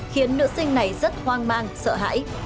khiến nữ sinh này rất hoang mang sợ hãi